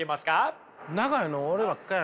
長いの俺ばっかや。